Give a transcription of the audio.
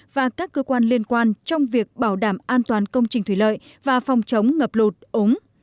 và các cơ quan liên quan trong việc bảo đảm an toàn công trình thủy lợi và phòng chống ngập lụt úng